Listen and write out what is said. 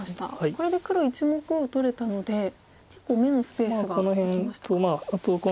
これで黒１目を取れたので結構眼のスペースができましたか。